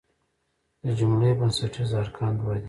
د جملې بنسټیز ارکان دوه دي.